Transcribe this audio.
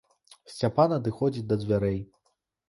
Сцяпан адыходзіць да дзвярэй.